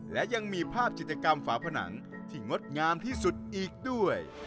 และยังมีภาพจิตกรรมฝาผนังที่งดงามที่สุดอีกด้วย